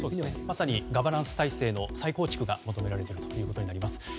まさにガバナンス体制の再構築が求められることになると思います。